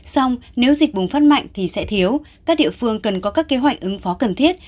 xong nếu dịch bùng phát mạnh thì sẽ thiếu các địa phương cần có các kế hoạch ứng phó cần thiết